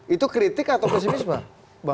itu kritik atau pesimis pak